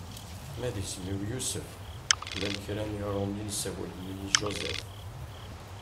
Ma d isem-iw Yusef llan kra n Yirumyen sawalen-iyi-d Joseph.